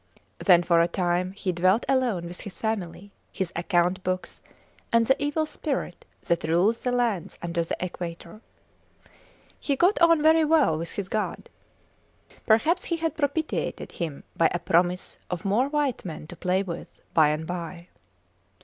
Then, for a time, he dwelt alone with his family, his account books, and the Evil Spirit that rules the lands under the equator. He got on very well with his god. Perhaps he had propitiated him by a promise of more white men to play with, by and by.